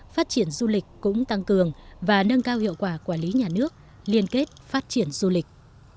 phát triển du lịch cũng tăng cường và nâng cao hiệu quả quản lý nhà nước liên kết phát triển du lịch